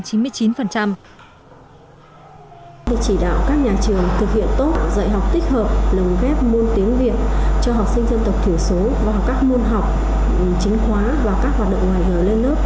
để chỉ đạo các nhà trường thực hiện tốt dạy học tích hợp lồng ghép môn tiếng việt cho học sinh dân tộc thiểu số vào các môn học chính khóa và các hoạt động ngoài giờ lên lớp